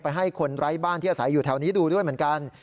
ให้คนไร้บ้านที่อาศัยอยู่แถวนี้ดูด้วยเหมือนกัน